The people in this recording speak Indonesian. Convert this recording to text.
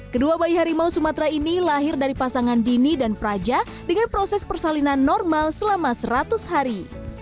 kedua bayi harimau sumatera ini lahir dari pasangan dini dan praja dengan proses persalinan normal selama seratus hari